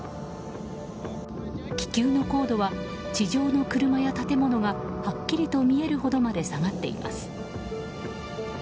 気球の高度は地上の車や建物がはっきりと見えるほどまで下がっています。